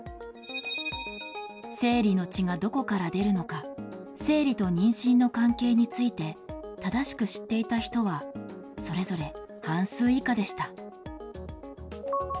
生理の血がどこから出るのか、生理と妊娠の関係について、正しく知っていた人はそれぞれ半数以下でした。